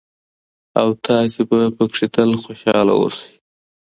او تاسې به پکې تل خوشحاله اوسئ.